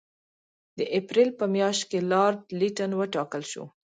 د اپرېل په میاشت کې لارډ لیټن وټاکل شو.